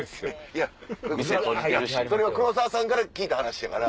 いやそれは黒沢さんから聞いた話やから。